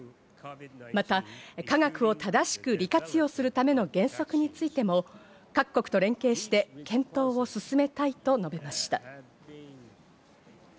また科学を正しく利活用するための原則についても各国と連携して、検討を進めたいと述べました。